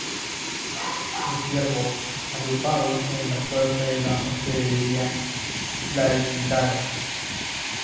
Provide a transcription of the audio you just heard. sus siervos, agrupados en la puerta de la hospedería, la imitaron